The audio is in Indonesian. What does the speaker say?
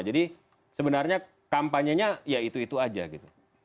jadi sebenarnya kampanyenya ya itu itu aja gitu